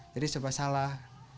jadi serba salah